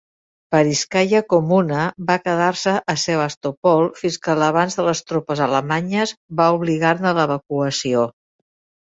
"Parizhskaya Kommuna" va quedar-se a Sebastopol fins que la l'avanç de les tropes alemanyes va obligar-ne a l'evacuació.